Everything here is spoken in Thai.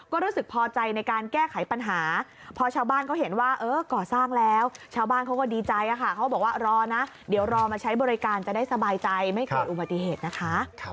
ก็รู้สึกพอใจในการแก้ไขปัญหาพอชาวบ้านเขาเห็นว่าเออก่อสร้างแล้วชาวบ้านเขาก็ดีใจค่ะเขาบอกว่ารอนะเดี๋ยวรอมาใช้บริการจะได้สบายใจไม่เกิดอุบัติเหตุนะคะ